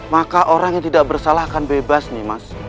maka orang yang tidak bersalah akan bebas nih mas